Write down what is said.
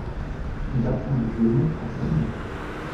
Il apprend le violon à six ans.